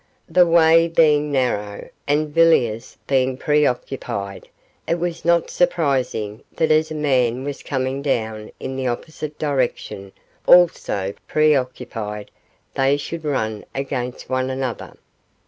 The way being narrow, and Villiers being preoccupied, it was not surprising that as a man was coming down in the opposite direction, also preoccupied, they should run against one another.